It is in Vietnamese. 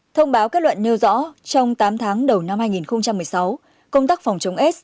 thông báo kết luận nêu rõ trong tám tháng đầu năm hai nghìn một mươi sáu công tác phòng chống s